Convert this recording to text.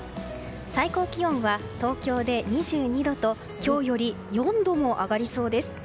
最高気温は東京で２２度と今日より４度も上がりそうです。